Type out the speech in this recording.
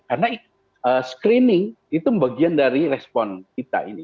karena screening itu bagian dari respon kita ini